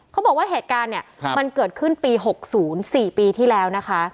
เขาบอกว่าเหตุการณ์เนี่ยมันเกิดขึ้นปี๖๐๔ปีที่แล้วนะคะ